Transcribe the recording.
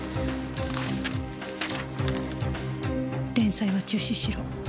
「連載は中止しろ！」